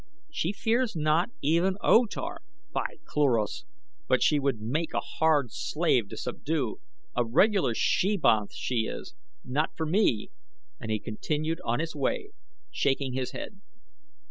She fears not even O Tar. By Cluros! but she would make a hard slave to subdue a regular she banth she is. Not for me," and he continued on his way shaking his head.